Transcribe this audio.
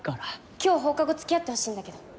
今日放課後付き合ってほしいんだけど。